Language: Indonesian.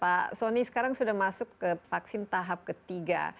pak sony sekarang sudah masuk ke vaksin tahap ketiga